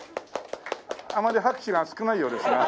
あまり拍手が少ないようですが。